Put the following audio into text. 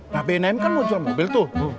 babenaim kan mau jual mobil tuh